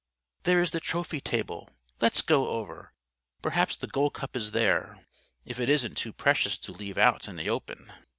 There is the trophy table. Let's go over. Perhaps the Gold Cup is there. If it isn't too precious to leave out in the open."